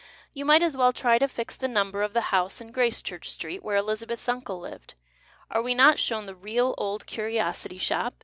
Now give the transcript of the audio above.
You might as well try to fix the number of the house in Graccehurch Street where Elizabeth's uncle lived. Arc we not shown the " real " Old Curiosity Shop